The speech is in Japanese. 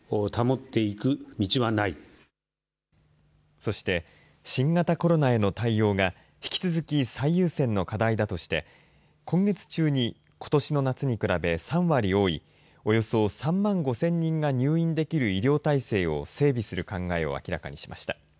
そして新型コロナへの対応が引き続き最優先の課題だとして今月中にことしの夏に比べ、３割多いおよそ３万５０００人が入院できる医療体制を整備する考えを明らかにしました。